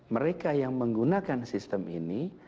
mereka yang menggunakan sistem ini